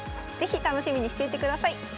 是非楽しみにしていてください。